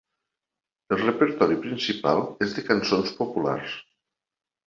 El repertori principal és de cançons populars.